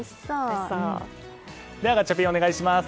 ではガチャピン、お願いします。